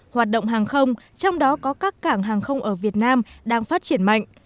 hoạt động hàng không trong đó có các cảng hàng không ở việt nam đang phát triển mạnh